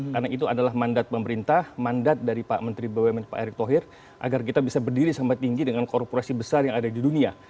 karena itu adalah mandat pemerintah mandat dari pak menteri bumn pak erick thohir agar kita bisa berdiri sampai tinggi dengan korporasi besar yang ada di dunia